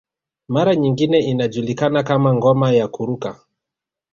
Mara nyingine inajulikana kama ngoma ya kuruka